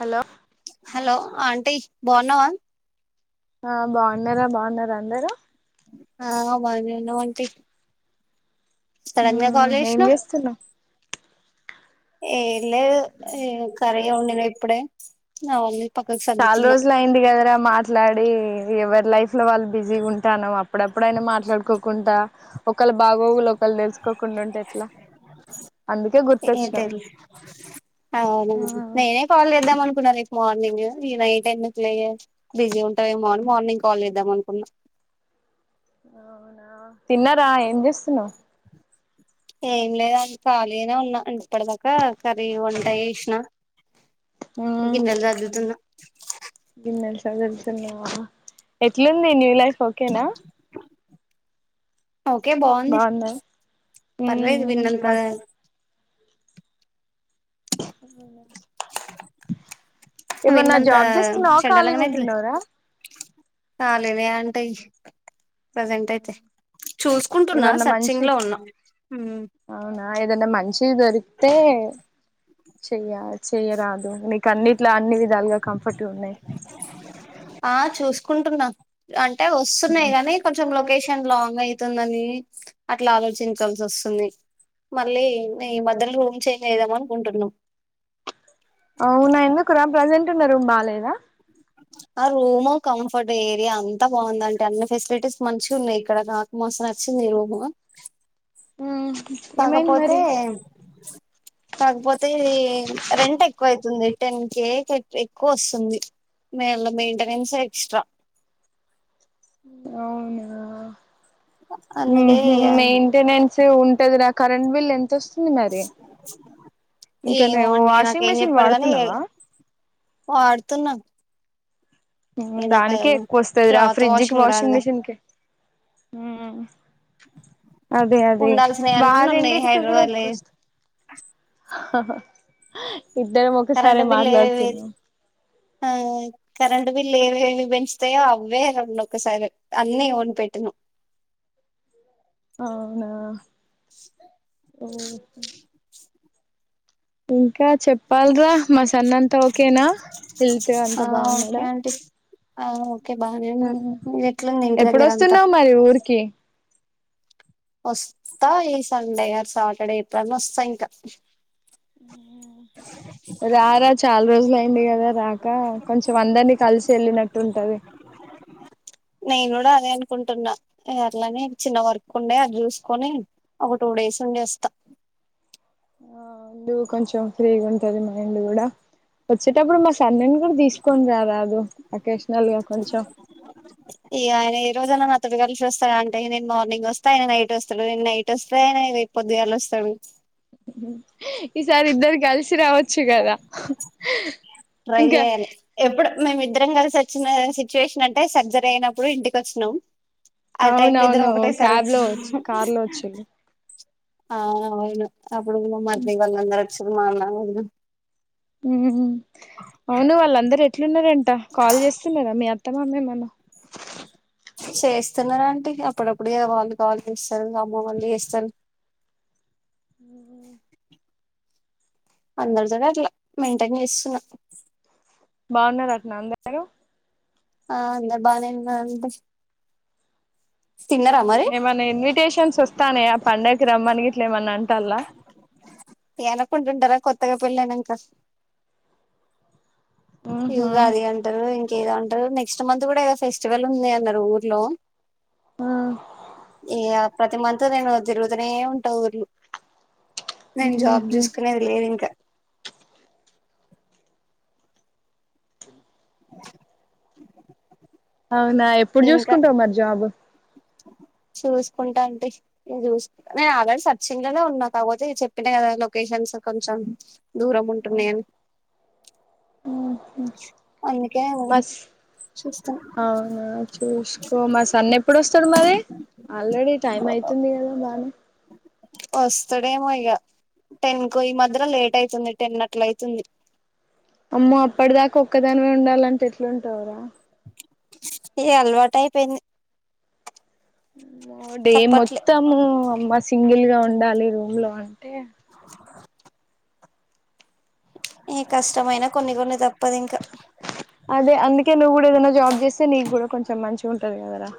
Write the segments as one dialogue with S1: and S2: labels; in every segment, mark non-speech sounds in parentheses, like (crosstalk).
S1: Hello.
S2: Hello, aunty బావున్నావా.
S1: ఆ బావున్నారా, బావున్నారా అందరు.
S2: ఆ బానేఉన్నామ్ ఆంటీ. సడన్ గా
S1: ఉమ్
S2: కాల్
S1: ఏం
S2: జేసినవ్.
S1: చేస్తున్నావ్
S2: ఏం లేదు, ఏం కరీ. ఇగ ఓన్డిన ఇప్పుడే, నాన్ వెజ్.
S1: చాలా రోజులు అయింది కదరా మాట్లాడి ఎవరి లైఫ్ లో వాళ్ళు బిజీగా ఉంటానం అప్పుడప్పుడైనా మాట్లాడుకోకుంటా ఒకళ బాగోగులు ఒకళ్ళు తెలుసుకోకుండ ఉంటే ఎట్ల అందుకే గుర్తొచ్చినావ్
S2: అవునా
S1: ఉమ్
S2: నేనే కాల్ చేద్దాం అనుకున్నా రేపు మార్నింగ్ ఈ నైట్ ఎందుకు లే బిజీ ఉంటావేమో అని మార్నింగ్ కాల్ చేద్దాం అనుకున్నా
S1: అవునా తిన్నారా ఏం చేస్తున్నావ్
S2: ఏం లేదక్క ఖాళీనే ఉన్నా అంట్ ఇప్పటిదాకా కర్రీ వంట చేసిన గిన్నెలు సర్దుతున్న
S1: గిన్నె సదుతున్నావా ఎట్లుంది న్యూలైఫ్ ఓకేనా
S2: ఓకే బాగుంది
S1: బాగుందా
S2: పర్వేదు
S1: ఉమ్
S2: విన్నంత
S1: మస్త్ అ ఏమన్నా
S2: విన్నంత
S1: జాబ్ చేస్తున్నావు ఖాళీగా ఉంటున్నావర
S2: కాలేనే అంటయి చూసుకుంటున్నా
S1: ఏమన్నా మంచి
S2: సర్చింగ్ లో ఉన్నా
S1: అవునా ఏదన్నా మంచి దొరికితే చేయాల్ చెయరాదు నీకు అన్నిట్లా అన్ని విధాలుగా కంఫర్ట్ ఉన్నాయి
S2: ఆ చూసుకుంటున్నా అంట్ ఎ వస్తున్నాయి కానీ కొంచెం లోకేషన్ షన్ లాంగ్ అయితుందని అట్లా ఆలోచించాల్సి వస్తుంది మళ్ళీ న ఈ మధ్యలో రూమ్ చేంజ్ అయిదాం అనుకుంటున్నం
S1: అవునా ఎందుకు రా ప్రజెంట్ ఉన్నా బాలేదా
S2: ఆ రూమ్ కంఫర్ట్ ఏరియా అంతా బాగుందింటే అన్ని ఫెసిలిటీస్ మంచి ఉన్నాయి ఇక్కడ నాకు మస్త్ నచ్చింది రూమ్
S1: ఉమ్
S2: కాకపోతే కాకపోతే ఈ రెంట్ ఎక్కువైత్ టెన్ కే ఎక్కువ వస్తుంది మేళ మెయింటెనెన్స్ ఏ ఎక్స్ట్రా
S1: అవునా ఉమ్
S2: అందుకే
S1: హు
S2: ఇగ
S1: మెయింటెనెన్ చే ఉన్ ఏదేనా కరెంట్ బిల్ ఎంత వస్తుంది మరి ఇంకా నే
S2: ఏమో అండి
S1: వాషింగ్
S2: నాకేం
S1: మిషిన్
S2: చెప్పాడు గాని
S1: వాడుతున్నావా
S2: వాడుతున్నా ఏ
S1: ఉమ్ దానికే
S2: నాకు
S1: ఎక్కువ వస్తది రా
S2: క్లాత్
S1: ఫ్రిజ్ కి వాషింగ్
S2: రాదుగా
S1: మిషిన్ కి ఉమ్ అదే అదే
S2: ఉండాల్సినవి అన్నీ ఉన్నాయి
S1: వారెండిటికి కూడా
S2: హైదరాబాద్లో
S1: ఎక్కువ వస్తు ఆహా హా ఇద్దరం
S2: కరెంట్
S1: ఒకసారే
S2: బిల్ ఏవేవి
S1: మాట్లాడుతున్నాం
S2: ఆ కరెంంటు బిల్ ఏవి ఏవి పెంచుతాయో అవే రండు ఒకసారి అన్నీ కొని పెట్టినం
S1: అవునా ఓహ ఇంకా చెప్ పాల్గా మా సన్నంతా ఓకేనా వెళ్తే అంతా బాగున్నాడా
S2: ఆఓ అంతా
S1: ఎప్పుడుొస్తున్నావు మరి ఊరికి
S2: వస్తా ఈ సండే ఆర్ సాటర్డే ఎప్డేనా వస్తా ఇంకా
S1: రారా చాలా రోజులు అయింది కదా రాక కొంచెం అందరినీ కలిసి వెళ్ళినట్టు ఉంటది
S2: అ అనుకుంటున్నా అట్లనే చిన్న వర్కు ఉండే అది చూసుకొని ఒక టూ డేస్ ఉండేది వస్తా
S1: ఆ అండి కొంచెం ఫ్రీగా ఉంటది మైండ్ కూడా వచ్చటప్పుడు మా సాన్ ఇన్ తీసుకొని ర రాదు ఓక్షన్
S2: ఏ ఆయన ఏ రోజనా మ మొత్తడు కలిసి వస్తాడు అంటే నేను మార్నింగ్ వస్తే అయినా నైట్ వస్తాడు నేను నైట్ వస్తే అయిన రేపు పొద్దుగాలి వస్తాడు
S1: ఈ సార్ ఇద్దర గల్సి రావ వచ్చు కదా ఇంకా
S2: నిద్రం కలిసి వచ్చిన సిచ్యువేషన్ అంటే సర్జరీ అయినప్పుడు ఇంటికి వచ్చినాం ఆ టైమ్ లో ఇద్దరం
S1: అవునవును
S2: ఒకటేసారి
S1: క్యాబ్ లో వచ్చు
S2: వచ్చినం
S1: కార్ లో వచ్చి
S2: ఆ అయిను అప్పుడు మట్ీ వాళ్ళందర ముసలమా
S1: ఉ అవును వాళ్ళందరుూ ఎట్లున్నారంట కాల్ చేస్తున్నారా మీ అత్తమామే
S2: చేస్తున్నార అంటీ అప్పుడప్పుడ వాళ్ళు కాళు చేస్తారు అమ్మ వాళ్ళీ చేస్తారు అందరితో అట్లా మెయింటైన్ చేస్తున్నా
S1: బాగున్నారు అతను అందరు
S2: ఆ అంద బానే అంత
S1: ఏమన్నా ఇన్విటేషన్స్ వస్తానే ఆ పండగకి రమ్మని ఇట్లా ఏమన్నా అంటలా
S2: ఎత్తగా పిళ్లనంక
S1: ఉహు
S2: ఇగా అది గంటలు ఇంకేదంట నెక్స్ట్ మంత్ కూడా ఫెస్టివల్ ఉంది అన్నారు ఊర్లో
S1: ఆ
S2: ఇగ ప్రతి మంత్ నేను తిరుదనే ఉంటావుఊర్లు నేను జాబ్
S1: ఉహు
S2: చూసుకునేది లేదు ఇంకా
S1: అవునా, ఎప్పుడు చూసుకుంటావు మరి జాబ్?
S2: చూసుకుంటాన్ తీ, నేను చూసుకుంటా. నేను ఆగడ్ సర్చింగ్లోనే ఉన్నా. కాకపోతే, చెప్పినా కదా! లొకేషన్స్ కొంచెం దూరం ఉంటున్నాయని. అందుకే
S1: బస్.
S2: చూస్తున్నా
S1: అవునా చూసుకో మా సన్ ఎప్పుడొస్తాడు మరి? ఆల్రెడీ టైం అయితుంది కదా బానే
S2: వస్తడేమో ఇగ! టెన్ కు ఈ మధ్యలో లేట్ అయితుంది. టెన్ అట్ల అయితుంది.
S1: అమ్మో అప్పటి దాకా ఒక్కదానివె ఉండాలంటే, ఎట్లుంటావురా?
S2: ఏ అలవాటైపోయింది.
S1: డే మొత్తము, అమ్మ సింగిల్ గా ఉండాలి రూమ్ లో అంటే,
S2: ఏ కష్టమైన కొన్ని కొన్ని తప్
S1: అదే, అందుకే నువ్వు కూడా ఏదనా జాబ్ చేస్తే, నేన్ కూడా కొంచెం మంచి ఉంటది కదరా?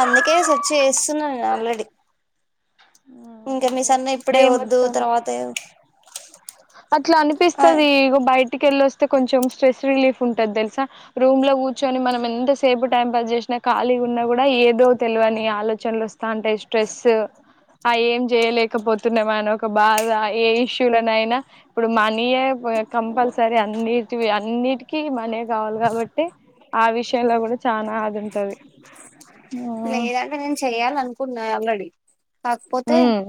S2: అందుకే, సర్చ్ చేస్తున్నా నేను ఆల్రడీ. ఇంక మీ
S1: అదే
S2: సన్ ఇప్పుడే వద్దు. తర్వాత,
S1: అట్ల అనిపిస్తది. ఇగ బయట్ ఇంటికెళ్లొస్తే కొంచెం స్ట్రెస్ రిలీఫ్ ఉంటది తెలుసా! రూమ్ లో కూర్చొని మనం ఎంతసేపు టైం పాస్ చేసినా ఖాళీగున్నా కూడ, ఏదో తెల్వని ఆలోచనలు వస్ తాంటే, స్ట్రెస్ ఆ ఏం చేయలేకపోతున్నామ్, అనొక్ బాగా, ఏ ఇష్యూలనయినా ఇప్పుడు మనీయే కంపల్సరీ. అన్నిటివి అన్నిటికీ మనీ ఎ కావాలి కాబట్టి, ఆ విషయంలో కూడ చాన అదుంటది.
S2: లేదంటే, నేను చెయాలనుకున్నా ఆల్రెడీ కాకపోతే,
S1: ఉమ్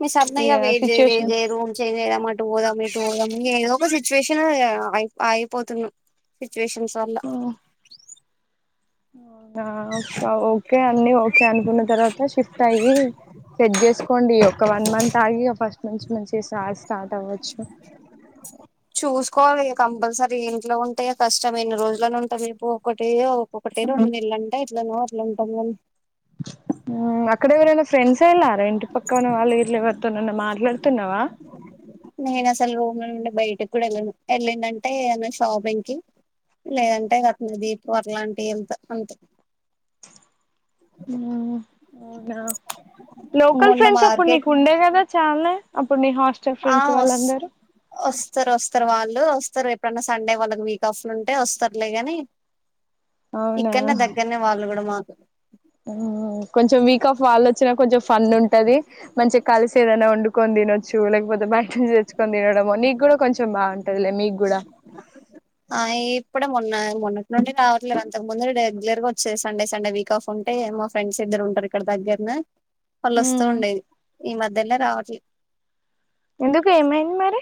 S2: మీ సబ్నయ
S1: ఇగ
S2: వెయిట్ చెయ్, వెయిట్
S1: సిచ్యుయేషన్స్
S2: చెయ్ రూమ్ చేంజ్ అయిదాం. అటు పోదాం ఇటు పోదాం ఏదొ, ఇ సిచ్యువేషన్ లొ ఇగ ఆగి ఆగిపోతున్నా. సిచువేషన్స్ అల
S1: అవునా! ఓక ఓకె అన్ని ఓకే అనుకున్న తర్వాత షిఫ్ట్ అయ్యి సెట్ చేసుకోండి. ఒక వన్ మంత్ ఆగి, ఇగ ఫస్ట్ నుంచి మంచి స్టార్ట్ అవ్వచ్చు.
S2: చూసుకోవాలి ఇగ కంపల్సరీ. ఇంట్లో ఉంటేయ కష్టం. ఎన్ని రోజులనుంటాము చెప్పు. ఒకటి ఒక్కొక్కటి రొన్నేళ్ళంటే ఎట్లనొ అట్లుంటది కాని,
S1: ఊ అక్ అక్కడ ఎవరైనా ఫ్రెండ్స్ ఏళారా? ఇంటి పక్కన వాళ్ళు వీళ్లు ఎవరితోనన్నా మాట్లాడుతున్నావా?
S2: నేను అసలు రూమ్ లో నుండి బయటకి కూడా ఎల్లను. వెళ్ళిందంటే, ఏన్నా షాపింగ్ కి లేదంటే రత్మదీపు అట్లాంటివి అంత అంతే.
S1: మ్మ్ అవునా! లోకల్
S2: మొన్న
S1: ఫ్రెండ్స్ అప్పుడు,
S2: మార్కెట్
S1: నీకు ఉండే కదా చాలా!
S2: ఆ వొస్, వొస్తరు. వొస్తరు వాళ్ళు వొస్తారు. ఎప్పుడన్నా సండే వాళ్ళకి వీక్ ఆఫ్ లో ఉంటే వొస్తారులేగాని, ఇక్కడనే
S1: అవునా
S2: దగ్గరనే వాళ్ళు కూడా మా
S1: కొంచెం వీక్ ఆఫ్ వాళ్ళు వచ్చినా కొంచెం ఫన్ కొన్ తినొచ్చు. లేకపోతే బయట నుంచి తెచ్చుకొని తినడము, నీక్ కూడ కొంచెం బాన్
S2: ఆ ఇప్పుడె మొన్న మొన్నటి నుండి రావట్లేదు అంతకు ముందు రెగ్యులర్ గా వచ్చేది సండే సండే వీక్ ఆఫ్ ఉంటే మా ఫ్రెండ్స్ ఇద్దరు ఉంటారు ఇక్కడ దగ్గరనే పళ్ళొస్తు
S1: ఉమ్
S2: ఉండేది ఈ మధ్య తెల రావట్లే
S1: ఎందుకు ఏమయింది మరి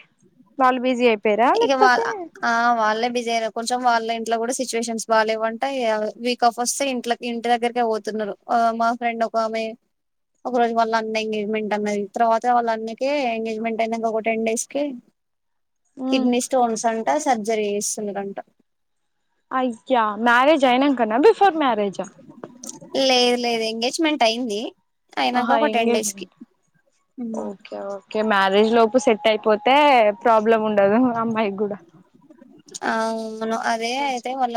S1: వాళ్ళు బిజీ అయిపోయార
S2: ఇక వాళ్ళ
S1: లేకపోతే
S2: ఆ వాళ్ళే బిజీ కొంచెం వాళ్ళే ఇంట్లో కూడా సిచ్యువేషన్స్ బాలేవంట వీక్ ఆఫ్ వస్తే ఇంట్లో ఇంటి దగ్గరకే పోతున్నారు ఆ మా ఫ్రెండ్ ఒక ఆమె ఒక రోజు వాళ్ళ అన్న ఎంగేజ్మెంట్ అన్నది తర్వాత వాళ్ళ అన్నక ఎంగేజ్మెంట్ అయినాక ఒక టెన్ డేస్ కే
S1: ఉమ్
S2: కిడ్నీ స్టోన్స్ అం ట సర్జరీ చేస్తున్నరంట
S1: అయ్యా మ్యారేజ్ ఐనాంకన్నా బిఫోర్ మ్యారేజా
S2: మెంట్ అయ్యింది
S1: ఆహా ఎంగేజ్మెంట్ ఆ ఓకే ఓకే మ్యారే జ్ లోపు సెట్ అయిపోతే ప్రాబ్లం ఉండదు అమ్మాయికి కూడా
S2: అవును అదే అయితే
S1: కొంచెం
S2: వాళ్ళ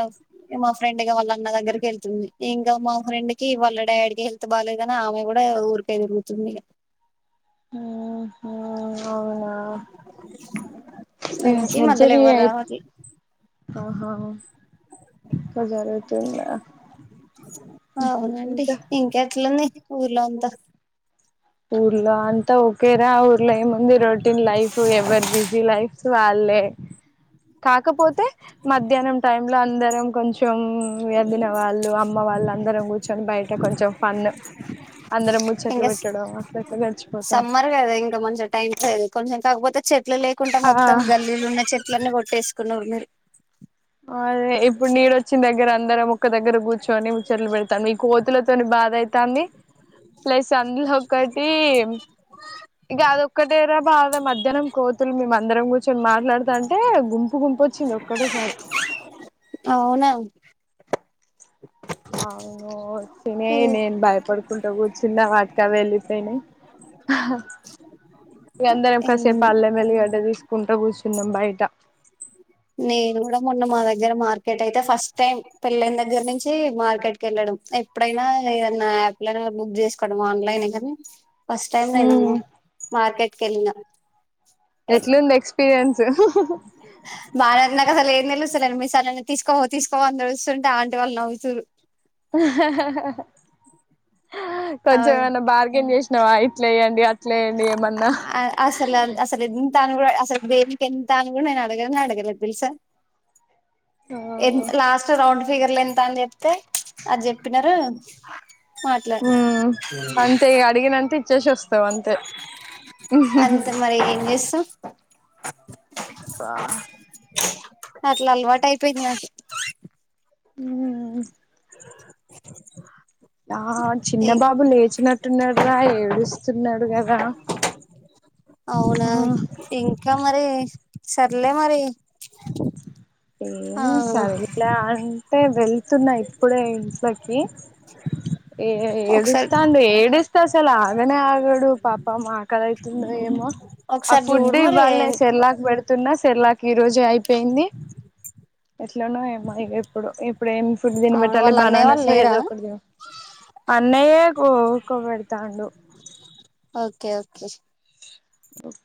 S2: ఇమా ఫ్రెండ్ గా వాళ్ళ అన్న దగ్గరికి యెళ్తుంది ఇంకా మా ఫ్రెండ్ కి వాళ్ళ డాడికి హెల్తు బాలేదు అ ని ఆమె కూడా ఊరికేళ్ళి కూర్చుందిగ
S1: మ్ హూ అవునా
S2: అందుకే మధ్యలో ఎవరు రావట్లే
S1: ఆహా జరుగుతుందా
S2: అవునండి
S1: ఇంకా
S2: ఇంకెట్లుంది ఊర్లో అంత
S1: ఊర్లో అంతా ఒకే ఊర్లో ఏముంది routine life ever busy life వాళ్ళే కాకపోతే మధ్యాహ్నం టైమ్ లో అందరం కొంచెం కొంచెం ఎదిన వాళ్ళు అమ్మ వాళ్ళు అందరం కూర్చొని బయట కొంచెం ఫన్ అందరం ముచ్చట్లు
S2: ఇంకా
S1: పెట్టి
S2: సమ్మర్ కదా ఇంకా మంచిగా టైమ్స్ కొంచం కాకపోతే చెట్లు లేకుండా
S1: ఆ
S2: మొత్తం గల్లీలు ఉన్న చెట్లన్నీ కొట్టేసుకునం
S1: అదే ఇప్పుడు నీడొచ్చిన దగ్గర అందరం ఒక్క దగ్గర కూర్చొని ముచ్చట్లు పెడతాము ఈ కోతులతోని బాధ అయితాంది ప్లస్ అందులో ఒకటి ఇగ అద ఒక్కటేరా బాధ మధ్యాహ్నం కోతులు మేమందరం కూర్చొని మాట్లాడతా అంటే గుంపు గుంపు ఒచ్చింది ఒక్కటేసారి
S2: అవునా
S1: అవును వచ్చినయి నేను భయపడుకుంటా కూర్చున్నా వాటికావెళ్ళిపోయినయ్ ఇగ అందరం కాసేపు అల్లెం వెల్లిగడ్డ తీసుకుంటా కూర్చు న్నం బయిటా
S2: నేను కూడా మొన్న మా దగ్గర మార్కెట్ అయితే ఫస్ట్ టైం పెళ్లయిన దగ్గర నుంచి మార్కెట్ కి యెళ్ళడం ఎప్పుడైనా ఏదన్నా యాప్ లోనే బుక్ చేసుకోడం ఆన్లైనే కానీ ఫస్ట్ టైమ్ నేను
S1: ఉమ్
S2: మార్కెట్ ఖాళీనా
S1: ఎట్లుంది ఎక్స్పీరియన్స్ స స్ స
S2: బారన్నా కస లే సార్ని మీ సార్ తీసుకోవ తీసుకోవ అని అరుస్తుంటే ఆంటీ వాళ్ళునవ్వుతుర్రు
S1: కొంచం ఏమన్నా బార్గెన్ చేసినావాయి అట్లేయ్యండి అట్లేయ్యండి ఏమన్నా
S2: ఆ అసలు అసలు ఎంత తా దేనికి ఎంత అడగ అడగర అసలా ఎంత లాస్ట్ రౌండ్ ఫిగర్లు ఎంత అని చెప్తే అది చెప్పినారు మాట్లా
S1: హ అంతే అడిగినంత చేశాస్తా వస్త అంతే
S2: సఫ
S1: బా
S2: అట్లా అలవాటు అయిపోయింది నాకి
S1: హ
S2: (inaudible) (unintelligible)
S1: ఆ చిన్నబాబు లేచినట్టున్నాడు రా ఏడుస్తున్నాడు కదా
S2: అవునా ఇంకా మరి సర్లే మరి
S1: ఏం
S2: ఆ
S1: సరేలే అంటే వెళ్తున్నా ఇప్పుడే ఇంట్లోకి ఏ
S2: ఒకసారి
S1: ఏడుస్తాండు ఏడుస్త అసలు ఆగనే ఆగాడు పాపమ్ ఆకలి అవుతుందో ఏమో ఆ
S2: ఒకసారి
S1: ఫుడ్
S2: చూడు మరి
S1: ఇవ్వల్నే సెర్లాకుకుబెడుతు చిన్న సెర్లాకి ఇ ఈ రోజుయి అయిపోత ఏంది ఎట్లోనో ఏమో ఇప్పుడు ఇప్పుడు ఏం ఫుడ్
S2: అవును
S1: తినిబెట్టాలి
S2: వాళ్ళ అన్నయ్య వాళ్ళు
S1: బనానాసులో ఏదో
S2: లేరా
S1: ఒకటి అన్నయే కొక్క పెడతాండు
S2: ఓకే ఓకే
S1: ఓకే